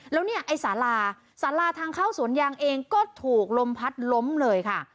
แล้วเนี่ยไอ้สาราสาราทางเข้าสวนยางเองก็ถูกลมพัดล้มเลยค่ะ